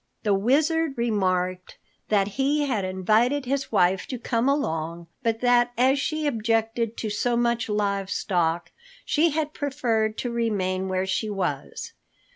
The Wizard remarked that he had invited his wife to come along but that as she objected to so much live stock, she had preferred to remain where she was.